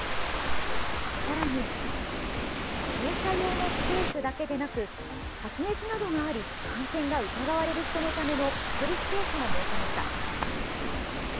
さらに負傷者用のスペースだけでなく発熱などがあり感染が疑われる人のための隔離スペースも設けました。